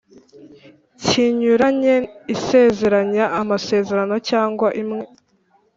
Kinyuranye isezeranya amasezerano cyangwa imwe